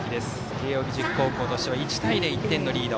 慶応義塾高校としては１対０、１点のリード。